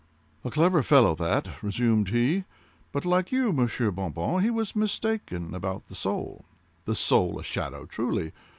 {*4} Quere Arouet? "A clever fellow that," resumed he; "but like you, Monsieur Bon Bon, he was mistaken about the soul. The soul a shadow, truly!